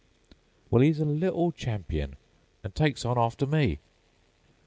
"Well, 'e 's a little champion, An' tikes on arfter me.